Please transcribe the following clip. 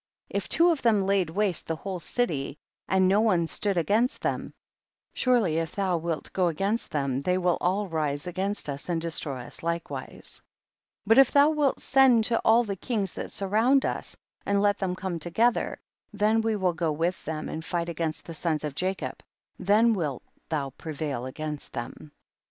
45. If two of them laid waste the whole city, and no one stood against them, surely if thou wilt go against them, they" will all rise against us and destroy us likewise. THE BOOK OF JASHER 103 46. But if thou tvilt send to all the kings that surround us, and let them come together, tiien we will go with them and fight against the sons of Jacob ; then wilt liiou prevail against them.